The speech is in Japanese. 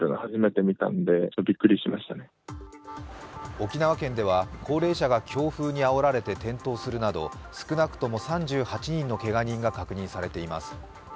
沖縄県では高齢者が強風にあおられて転倒するなど少なくとも３８人のけが人が確認されています。